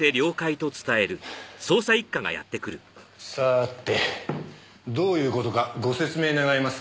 さてどういう事かご説明願えますか？